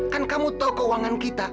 kan kamu tahu keuangan kita